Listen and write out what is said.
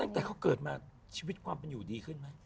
ตั้งแต่เขาเกิดมาชีวิตความเป็นอยู่ดีขึ้นไหม